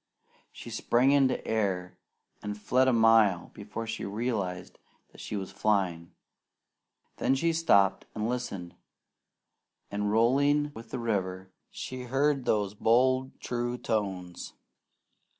She sprang into air, and fled a mile before she realized that she was flying. Then she stopped and listened, and rolling with the river, she heard those bold true tones.